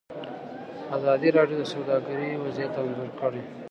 ازادي راډیو د سوداګري وضعیت انځور کړی.